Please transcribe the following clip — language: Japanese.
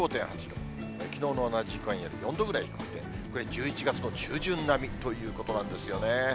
きのうの同じ時間より４度ぐらい低くて、１１月の中旬並みということなんですよね。